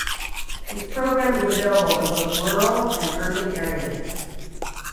This program is available in both rural and urban areas.